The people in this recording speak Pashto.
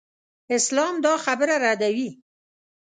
اسلام دا خبره ردوي.